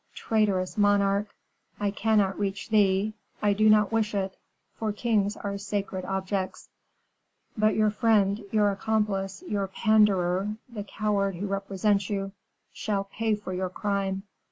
traitorous monarch! I cannot reach thee. I do not wish it; for kings are sacred objects. But your friend, your accomplice, your panderer the coward who represents you shall pay for your crime.